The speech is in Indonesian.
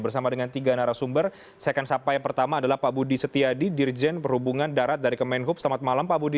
bersama dengan tiga narasumber saya akan sapa yang pertama adalah pak budi setiadi dirjen perhubungan darat dari kemenhub selamat malam pak budi